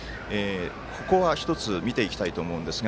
ここは、１つ見ていきたいと思うんですが。